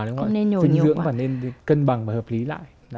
dinh dưỡng phải nên cân bằng và hợp lý lại